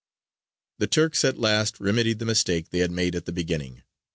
The Turks at last remedied the mistake they had made at the beginning.